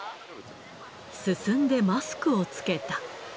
進んでマスクを着けた。